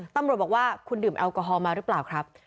ตำรวจบอกว่าคุณดื่มแอลกอฮอลมาหรือเปล่าครับ